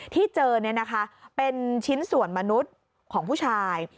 ที่เจอเป็นชิ้นส่วนมนุษย์ของผู้ชาย